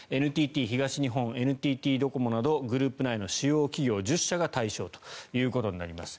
ＮＴＴ東日本ＮＴＴドコモなどグループ内の主要企業１０社が対象ということになります。